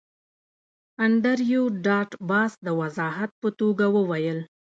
انډریو ډاټ باس د وضاحت په توګه وویل